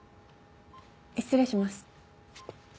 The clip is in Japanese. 失礼します。